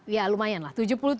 ya lumayan lah tujuh puluh tujuh